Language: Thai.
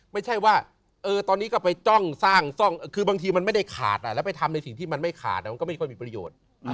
ไม่ใช่ว่าตอนนี้ก็ไปจ้องสร้างจ้องคือบางทีมันไม่ได้ขาดแล้วไปทำในสิ่งที่มันไม่ขาดมันก็ไม่ค่อยมีประโยชน์